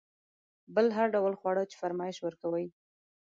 بل هر ډول خواړه چې فرمایش ورکوئ.